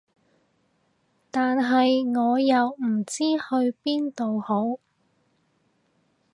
但係我又唔知去邊度好